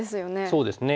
そうですね。